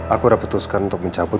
aku udah putuskan untuk mencabut